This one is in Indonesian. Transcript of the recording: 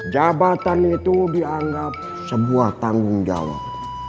jabatan itu dianggap sebuah tanggung jawab